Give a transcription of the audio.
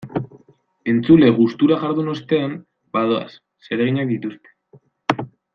Entzule gustura jardun ostean, badoaz, zereginak dituzte.